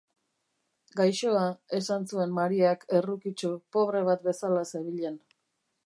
Gaixoa, esan zuen Mariak errukitsu, pobre bat bezala zebilen.